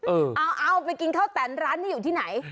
เอาเอาไปกินข้าวแต่นร้านนี้อยู่ที่ไหน